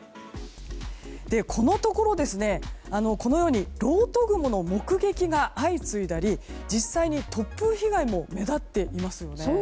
このところろうと雲の目撃が相次いだり実際に突風被害も目立っていますよね。